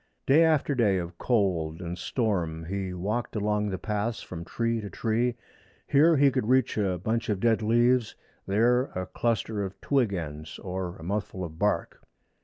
Day after day of cold and storm he walked along the paths from tree to tree. Here he could reach a bunch of dead leaves, there a cluster of twig ends, or a mouthful of bark.